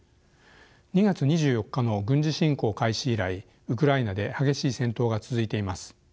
２月２４日の軍事侵攻開始以来ウクライナで激しい戦闘が続いています。